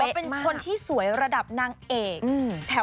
ต้องบอกว่าเป็นคนที่สวยระดับนางเอก